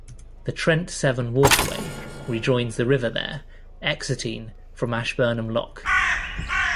The Trent-Severn waterway rejoins the river there, exiting from Ashburnham Lock.